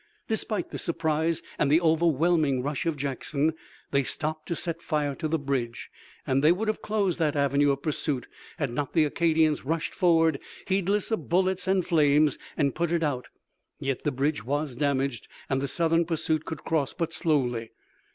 Despite the surprise and the overwhelming rush of Jackson, they stopped to set fire to the bridge, and they would have closed that avenue of pursuit had not the Acadians rushed forward, heedless of bullets and flames, and put it out. Yet the bridge was damaged and the Southern pursuit could cross but slowly.